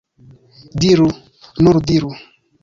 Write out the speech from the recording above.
Diru, nur diru!